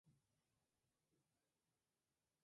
Típicamente estas funciones son polinomios.